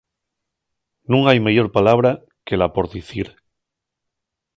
Nun hai meyor palabra que la por dicir.